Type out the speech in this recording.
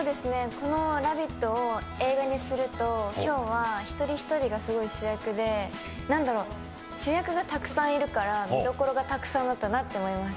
「ラヴィット！」を映画にすると、今日は一人一人がすごい主役で、主役がたくさんいるから見どころがたくさんあったなと思います。